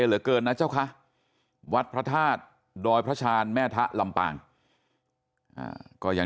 เหลือเกินนะเจ้าคะวัดพระธาตุดอยพระชาญแม่ทะลำปางก็ยัง